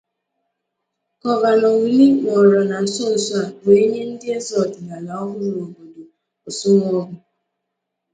Gọvanọ Willie nọrọ na nsonso a wee nye ndị eze ọdịnala ọhụrụ obodo Orsumoghu